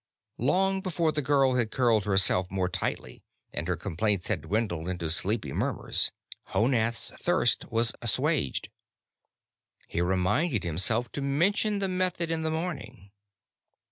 Long before the girl had curled herself more tightly and her complaints had dwindled into sleepy murmurs, Honath's thirst was assuaged. He reminded himself to mention the method in the morning.